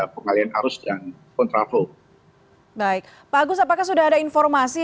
pengalian arus dan kontraplo baik bagus apakah sudah ada informasi mengenai kendaraan berat olabilir pantang disagreement lee van tsal